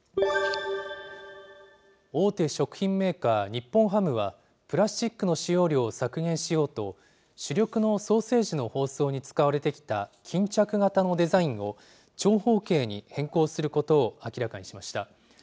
大手食品メーカー、日本ハムは、プラスチックの使用量を削減しようと、主力のソーセージの包装に使われてきた巾着型のデザインを、長方形に変更することを明らかにしました。